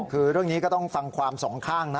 คือเรื่องนี้ก็ต้องฟังความสองข้างนะ